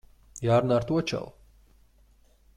Jārunā ar to čali.